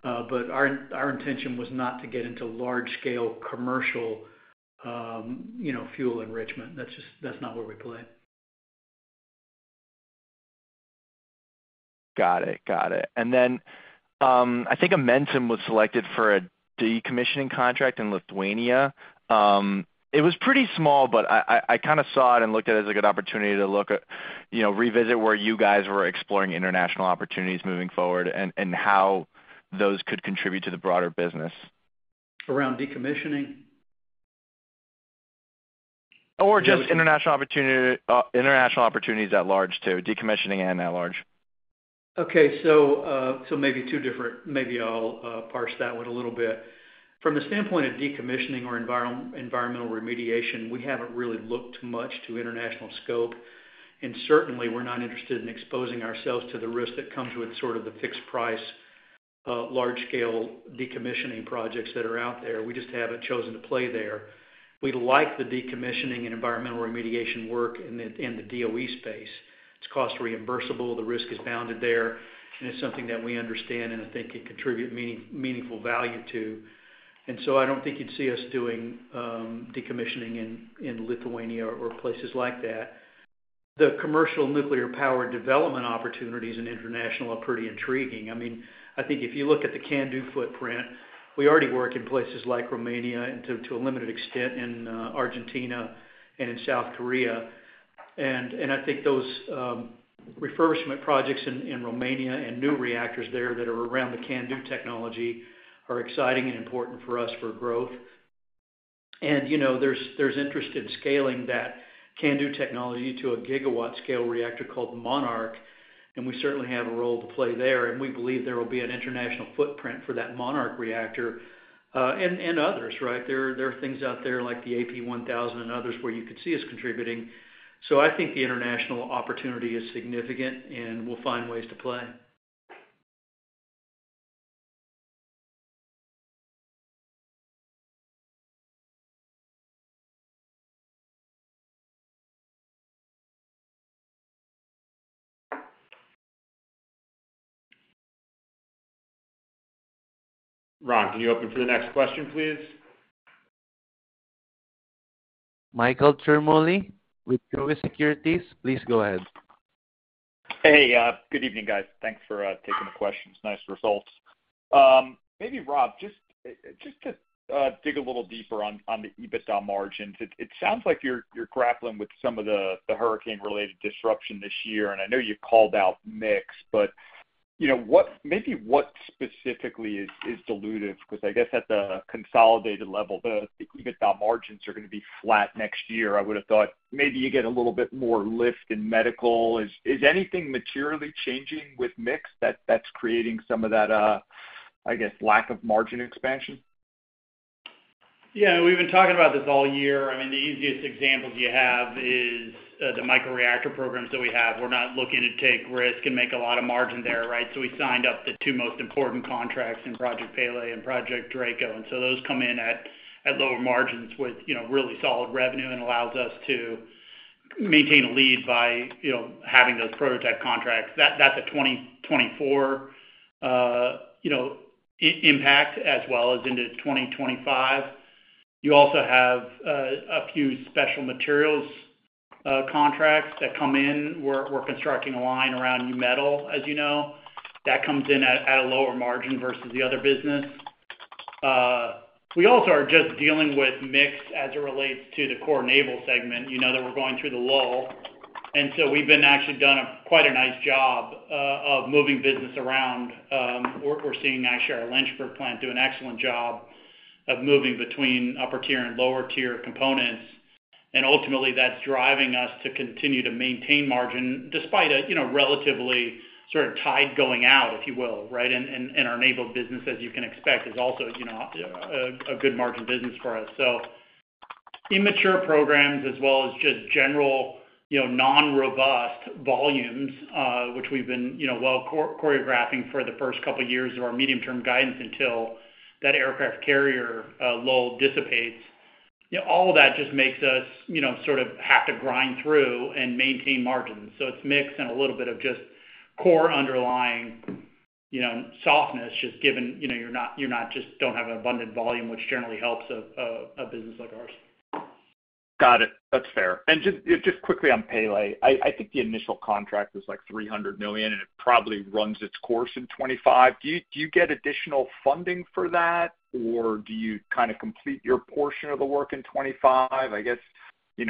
But our intention was not to get into large-scale commercial fuel enrichment. That's not where we play. Got it. Got it. And then I think Amentum was selected for a decommissioning contract in Lithuania. It was pretty small, but I kind of saw it and looked at it as a good opportunity to revisit where you guys were exploring international opportunities moving forward and how those could contribute to the broader business. Around decommissioning? Or just international opportunities at large too, decommissioning and at large. Okay. So maybe two different. Maybe I'll parse that one a little bit. From the standpoint of decommissioning or environmental remediation, we haven't really looked much to international scope, and certainly we're not interested in exposing ourselves to the risk that comes with sort of the fixed-price large-scale decommissioning projects that are out there. We just haven't chosen to play there. We like the decommissioning and environmental remediation work in the DOE space. It's cost-reimbursable. The risk is bounded there, and it's something that we understand and I think can contribute meaningful value to. I don't think you'd see us doing decommissioning in Lithuania or places like that. The commercial nuclear power development opportunities in international are pretty intriguing. I mean, I think if you look at the CANDU footprint, we already work in places like Romania and to a limited extent in Argentina and in South Korea. I think those refurbishment projects in Romania and new reactors there that are around the CANDU technology are exciting and important for us for growth. There's interest in scaling that CANDU technology to a gigawatt-scale reactor called Monark, and we certainly have a role to play there. We believe there will be an international footprint for that Monark reactor and others, right? There are things out there like the AP1000 and others where you could see us contributing. So I think the international opportunity is significant, and we'll find ways to play. Ron, can you open for the next question, please? Michael Ciarmoli with D.A. Davidson. Please go ahead. Hey, good evening, guys. Thanks for taking the questions. Nice results. Maybe, Rob, just to dig a little deeper on the EBITDA margins, it sounds like you're grappling with some of the hurricane-related disruption this year. And I know you called out MIX, but maybe what specifically is dilutive? Because I guess at the consolidated level, the EBITDA margins are going to be flat next year.I would have thought maybe you get a little bit more lift in medical. Is anything materially changing with MIX that's creating some of that, I guess, lack of margin expansion? Yeah, we've been talking about this all year. I mean, the easiest example you have is the micro-reactor programs that we have. We're not looking to take risk and make a lot of margin there, right? So we signed up the two most important contracts in Project Pele and Project DRACO. And so those come in at lower margins with really solid revenue and allows us to maintain a lead by having those prototype contracts. That's a 2024 impact as well as into 2025. You also have a few special materials contracts that come in. We're constructing a line around U-metal, as you know. That comes in at a lower margin versus the other business. We also are just dealing with mix as it relates to the core naval segment that we're going through the lull. And so we've been actually doing quite a nice job of moving business around. We're seeing actually our Lynchburg plant do an excellent job of moving between upper-tier and lower-tier components. Ultimately, that's driving us to continue to maintain margin despite a relatively sort of tide going out, if you will, right? Our naval business, as you can expect, is also a good margin business for us. Immature programs as well as just general non-robust volumes, which we've been well choreographing for the first couple of years of our medium-term guidance until that aircraft carrier lull dissipates. All of that just makes us sort of have to grind through and maintain margins. So it's mix and a little bit of just core underlying softness, just given you don't have an abundant volume, which generally helps a business like ours. Got it. That's fair. And just quickly on Pele, I think the initial contract was like $300 million, and it probably runs its course in 2025. Do you get additional funding for that, or do you kind of complete your portion of the work in 2025? I guess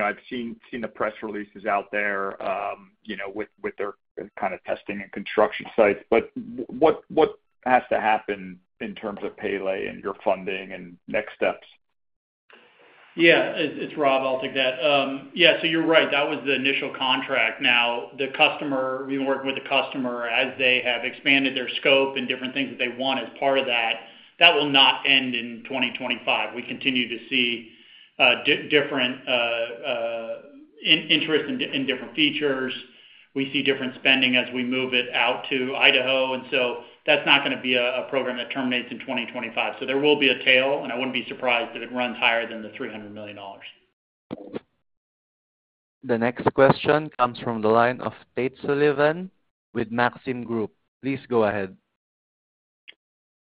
I've seen the press releases out there with their kind of testing and construction sites. But what has to happen in terms of Pele and your funding and next steps? Yeah, it's Rob. I'll take that. Yeah, so you're right. That was the initial contract. Now, we've been working with the customer as they have expanded their scope and different things that they want as part of that. That will not end in 2025. We continue to see different interests in different features. We see different spending as we move it out to Idaho. And so that's not going to be a program that terminates in 2025. So there will be a tail, and I wouldn't be surprised if it runs higher than the $300 million. The next question comes from the line of Tate Sullivan with Maxim Group. Please go ahead.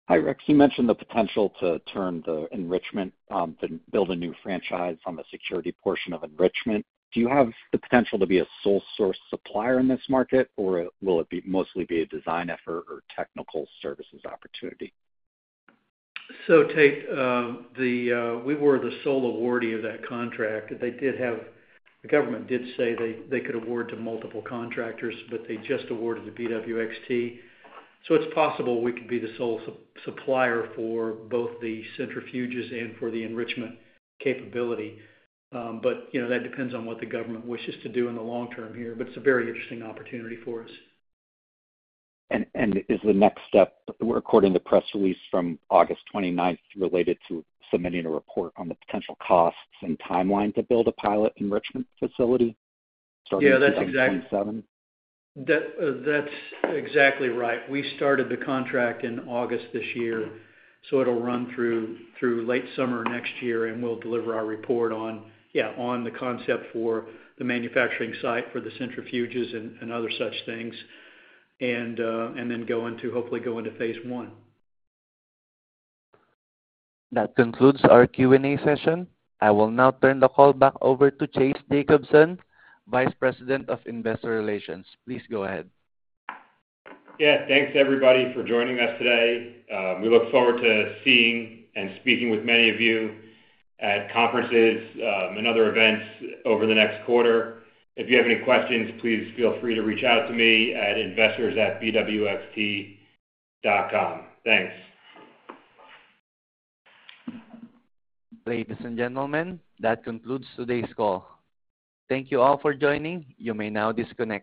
Hi, Rex. You mentioned the potential to turn the enrichment to build a new franchise on the security portion of enrichment. Do you have the potential to be a sole-source supplier in this market, or will it mostly be a design effort or technical services opportunity? So Tate, we were the sole awardee of that contract. The government did say they could award to multiple contractors, but they just awarded to BWXT. So it's possible we could be the sole supplier for both the centrifuges and for the enrichment capability. But that depends on what the government wishes to do in the long term here. But it's a very interesting opportunity for us. Is the next step, according to the press release from August 29th, related to submitting a report on the potential costs and timeline to build a pilot enrichment facility starting in 2027? Yeah, that's exactly right. We started the contract in August this year. It'll run through late summer next year, and we'll deliver our report on, yeah, on the concept for the manufacturing site for the centrifuges and other such things, and then hopefully go into phase one. That concludes our Q&A session. I will now turn the call back over to Chase Jacobson, Vice President of Investor Relations. Please go ahead. Yeah, thanks, everybody, for joining us today. We look forward to seeing and speaking with many of you at conferences and other events over the next quarter. If you have any questions, please feel free to reach out to me at investors@bwxt.com. Thanks. Ladies and gentlemen, that concludes today's call. Thank you all for joining. You may now disconnect.